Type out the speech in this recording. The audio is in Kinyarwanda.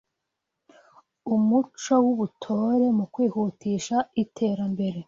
Umuco w’Ubutore mu kwihutisha Iterambere